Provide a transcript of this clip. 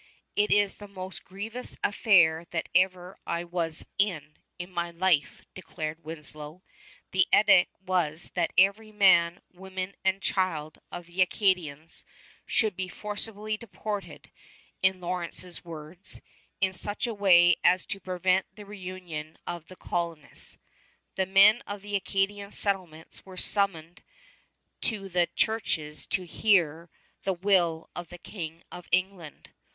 "It is the most grievous affair that ever I was in, in my life," declared Winslow. The edict was that every man, woman, and child of the Acadians should be forcibly deported, in Lawrence's words, "in such a way as to prevent the reunion of the colonists." The men of the Acadian settlements were summoned to the churches to hear the will of the King of England.